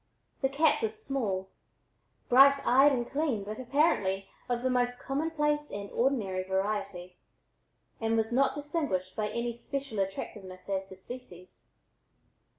The cat was small, bright eyed and clean but apparently of the most commonplace and ordinary variety, and not distinguished by any special attractiveness as to species.